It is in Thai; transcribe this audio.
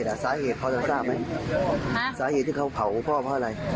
แต่สาเหตุเขาจะทราบไหมสาเหตุที่เขาเผาพ่อเพราะอะไร